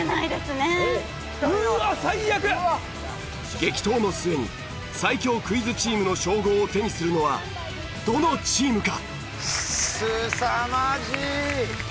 激闘の末に最強クイズチームの称号を手にするのはどのチームか？